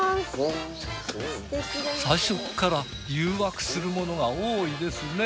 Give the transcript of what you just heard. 最初っから誘惑するものが多いですね。